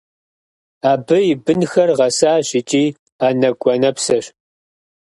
Абы и бынхэр гъэсащ икӏи анэгу-анэпсэщ.